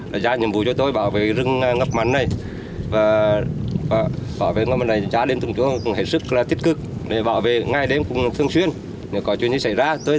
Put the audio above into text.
dự án trồng rừng ngập mặn ở xã triệu phước huyện triệu phong tỉnh quảng trị